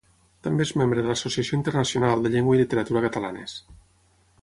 També és membre de l'Associació Internacional de Llengua i Literatura Catalanes.